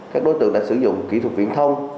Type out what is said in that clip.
các đối tượng đã sử dụng kỹ thuật viễn thông